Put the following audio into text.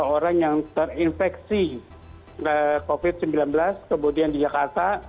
orang yang terinfeksi covid sembilan belas kemudian di jakarta